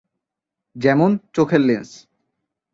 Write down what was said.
যেমনঃ চোখের লেন্স।